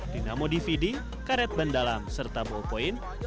dinamo dvd karet bendalam serta ballpoint